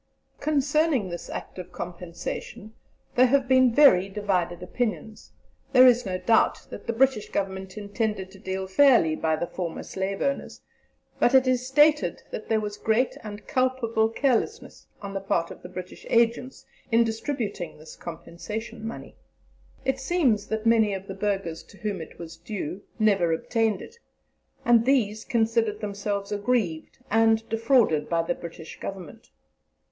Concerning this Act of Compensation there have been very divided opinions; there is not a doubt that the British Government intended to deal fairly by the former slave owners, but it is stated that there was great and culpable carelessness on the part of the British agents in distributing this compensation money. It seems that many of the Burghers to whom it was due never obtained it, and these considered themselves aggrieved and defrauded by the British Government.